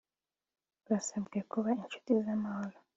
Basabwe kuba inshuti z’amahoro